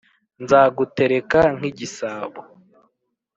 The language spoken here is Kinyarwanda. nzagutereka nk'igisabo